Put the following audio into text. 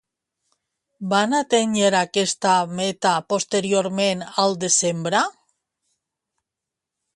Van atènyer aquesta meta posteriorment al desembre?